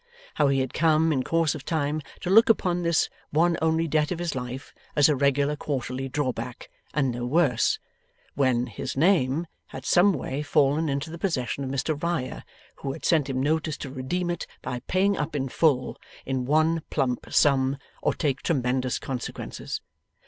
How he had come, in course of time, to look upon this one only debt of his life as a regular quarterly drawback, and no worse, when 'his name' had some way fallen into the possession of Mr Riah, who had sent him notice to redeem it by paying up in full, in one plump sum, or take tremendous consequences.